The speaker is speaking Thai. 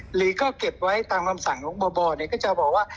หรือก็เก็บไว้ตามคำสั่งของบ่อเนี่ยก็จะบอกว่า